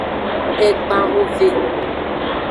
Egban hove.